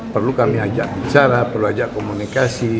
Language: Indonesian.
perlu kami ajak bicara perlu ajak komunikasi